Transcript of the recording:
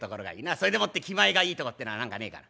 それでもって気前がいいとこってのは何かねえかな？」。